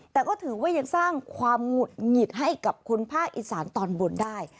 แต่ก็ถือว่ายังสร้างความหงุดหงิดให้กับคนภาคอีสานตอนบนได้